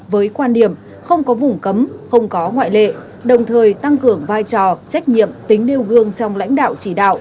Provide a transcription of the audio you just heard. với quan điểm không có vùng cấm không có ngoại lệ đồng thời tăng cường vai trò trách nhiệm tính nêu gương trong lãnh đạo chỉ đạo